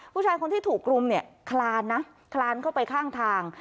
ผู้ชายคนที่ถูกรุมเนี่ยคลานนะคลานเข้าไปข้างทาง